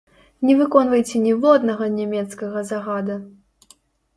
Не выконвайце ніводнага нямецкага загада!